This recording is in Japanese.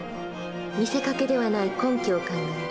見せかけではない根拠を考える。